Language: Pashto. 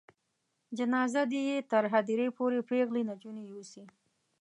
جنازه دې یې تر هدیرې پورې پیغلې نجونې یوسي.